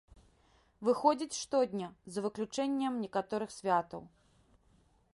Выходзіць штодня, за выключэннем некаторых святаў.